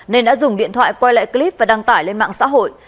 nên đã dùng điện thoại quay lại clip và đăng tải lên mạng xã hội